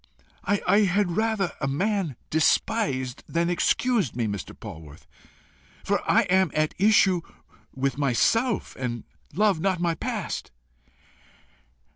I had rather a man despised than excused me, Mr. Polwarth, for I am at issue with myself, and love not my past."